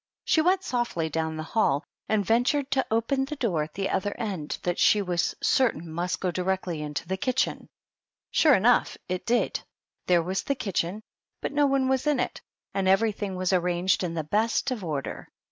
She went softly down the hall, and ventured to open a door at the other end that she was certain must go directly into the kitchen. Sure enough, it did ; there was the kitchen, but no one was in it, and everything was arranged in the best of order.